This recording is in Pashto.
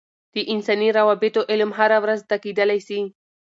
د انساني روابطو علم هره ورځ زده کیدلای سي.